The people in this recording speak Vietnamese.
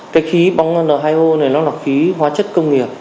cái khí bóng n hai o này nó là khí hóa chất công nghiệp